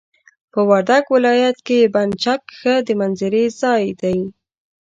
په وردګ ولايت کي بند چک ښه د منظرې ځاي دي.